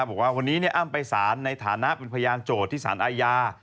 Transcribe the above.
บอกว่าวันนี้อ้ำไปสารในฐานะเป็นพยานโจทย์ที่สารอาญา